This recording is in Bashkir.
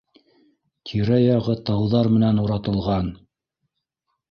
Тирә-яғы тауҙар менән уратылған